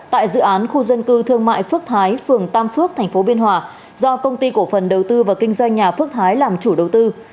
tại dự án khu dân cư thương mại phước thái phường tam phước tp biên hòa do công ty cổ phần đầu tư và kinh doanh nhà phước thái làm chủ đầu tư